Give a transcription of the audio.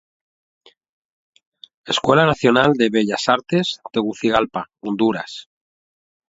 Escuela Nacional de Bellas Artes, Tegucigalpa, Honduras.